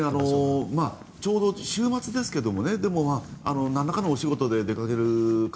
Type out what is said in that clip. ちょうど週末ですけどなんらかのお仕事で出かける方